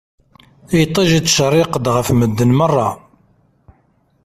Iṭij ittcerriq-d ɣef medden merra.